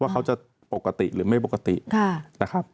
เขาจะปกติหรือไม่ปกตินะครับ